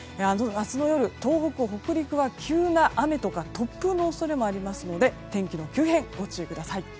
明日の夜、東北、北陸は急な雨とか突風の恐れもありますので天気の急変、ご注意ください。